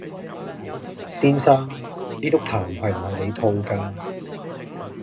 先生，呢篤痰係唔係你吐㗎？